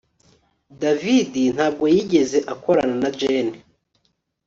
David ntabwo yigeze akorana na Jane